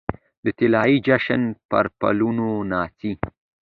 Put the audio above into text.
د طلايې جشن پرپلونو ناڅي